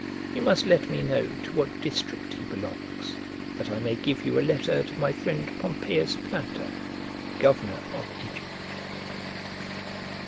You must let me know to what district he belongs, that I may give you a letter to my friend Pompeius Planta, governor of Egypt.